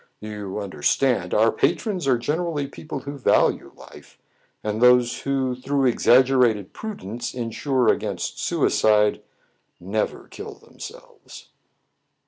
You under stand, our patrons are generally people who value life; and those who, through exaggerated pru dence, insure against suicide, never kill them selves."